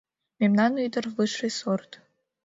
Мемнан ӱдыр высший сорт.